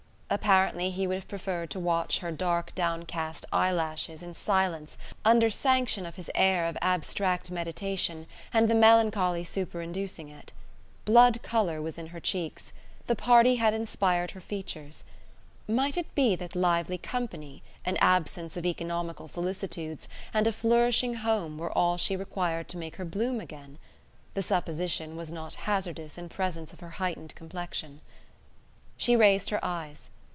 Apparently he would have preferred to watch her dark downcast eyelashes in silence under sanction of his air of abstract meditation and the melancholy superinducing it. Blood colour was in her cheeks; the party had inspirited her features. Might it be that lively company, an absence of economical solicitudes, and a flourishing home were all she required to make her bloom again? The supposition was not hazardous in presence of her heightened complexion. She raised her eyes.